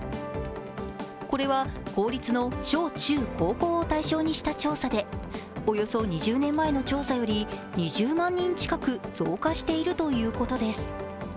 これは公立の小中高校を対象にした調査でおよそ２０年前の調査より、２０万人近く増加しているということです。